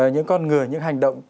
những con người những hành động